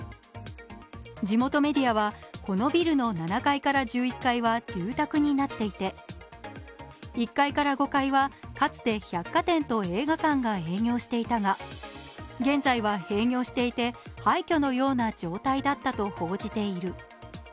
地元メディアは、このビルの７階から１１階は住宅になっていて、１階から５階はかつて百貨店と映画館が営業していたが現在は閉業していて、廃虚のような状態だったと報じている。